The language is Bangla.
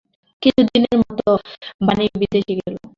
কিছুদিনের মতো বাণী বিদেশে গেল।